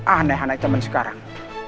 aneh aneh cuman sekarang